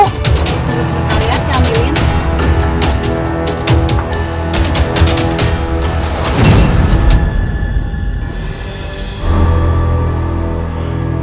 itu sebentar ya saya ambilin